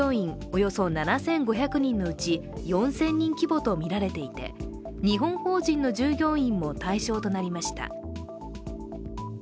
およそ７５００人のうち４０００人規模とみられていて、日本法人の従業員も対象となりました。